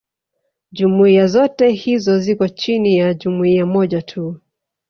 jumuiya zote hizo ziko chini ya jumuiya moja tu